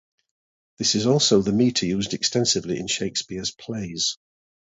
This is also the meter used extensively in Shakespeare's plays.